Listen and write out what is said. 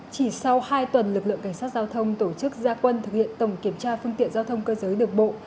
chỉ sau hai tuần lực lượng cảnh sát giao thông tổ chức gia quân thực hiện tổng kiểm tra phương tiện giao thông cơ giới đường bộ